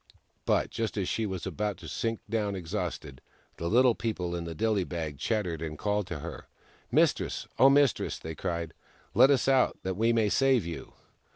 But just as she was about to sink down, exhausted, the Little People in thedilly bag chattered and called to her. " Mistress ! Oh, Mistress !" they cried. " Let us out, that we may save you